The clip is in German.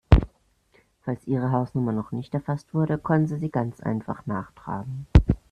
Falls Ihre Hausnummer noch nicht erfasst wurde, können Sie sie ganz einfach nachtragen.